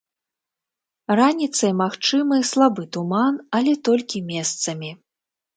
Раніцай магчымы слабы туман, але толькі месцамі.